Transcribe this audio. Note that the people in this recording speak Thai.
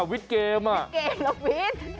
วิทย์เกมหรอก